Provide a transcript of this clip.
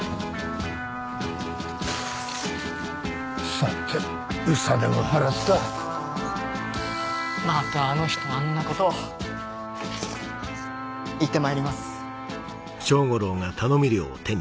さて憂さでも晴らすかまたあの人あんなことをいってまいります